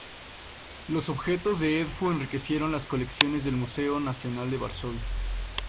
Los objetos de Edfu enriquecieron las colecciones del Museo Nacional de Varsovia.